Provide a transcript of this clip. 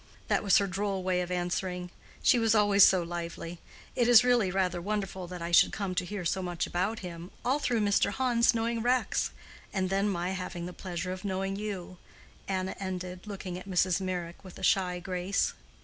That was her droll way of answering: she was always so lively. It is really rather wonderful that I should come to hear so much about him, all through Mr. Hans knowing Rex, and then my having the pleasure of knowing you," Anna ended, looking at Mrs. Meyrick with a shy grace.